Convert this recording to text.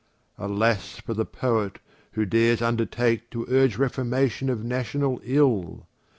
Alas for the Poet, who dares undertake To urge reformation of national ill!